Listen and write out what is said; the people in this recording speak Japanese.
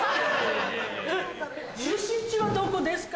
出身地はどこですか？